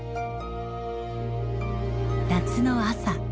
夏の朝。